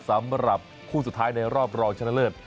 สำหรับคู่สุดท้ายในรอบรองชนะเลิศ